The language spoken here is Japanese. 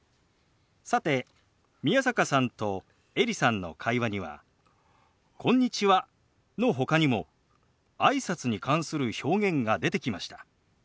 さて宮坂さんとエリさんの会話には「こんにちは」のほかにもあいさつに関する表現が出てきました。